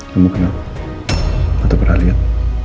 kamu kena atau pernah liat